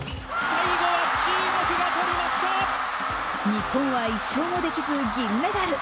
日本は１勝もできず、銀メダル。